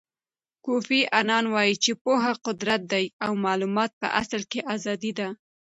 کوفی انان وایي چې پوهه قدرت دی او معلومات په اصل کې ازادي ده.